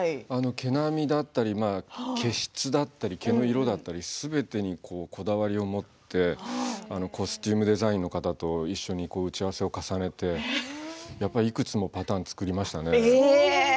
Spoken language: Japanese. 毛並みだったり毛質だったり毛の色だったりすべてにこだわりをもってコスチュームデザインの方と一緒に打ち合わせを重ねていくつもパターンを作りましたね。